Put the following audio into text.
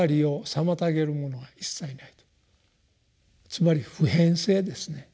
つまり普遍性ですね。